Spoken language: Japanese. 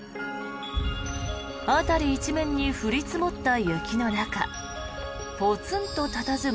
辺り一面に降り積もった雪の中ポツンと佇む